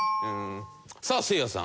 さあせいやさん。